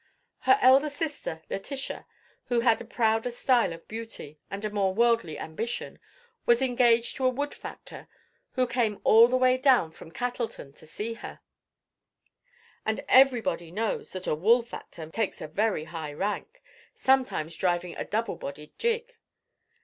Her elder sister Letitia, who had a prouder style of beauty, and a more worldly ambition, was engaged to a wool factor, who came all the way from Cattelton to see her; and everybody knows that a wool factor takes a very high rank, sometimes driving a double bodied gig.